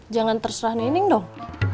jangan terserah nining dong